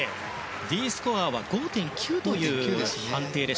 Ｄスコアは５．９という判定。